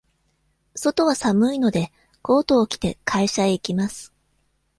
外は寒いので、コートを着て、会社へ行きます。